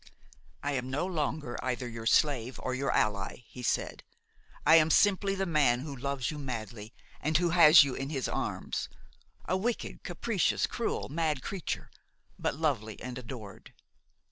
"I am no longer either your slave or your ally," he said. "I am simply the man who loves you madly and who has you in his arms, a wicked, capricious, cruel, mad creature, but lovely and adored.